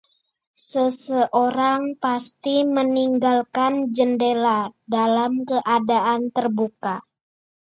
Seseorang pasti meninggalkan jendela dalam keadaan terbuka.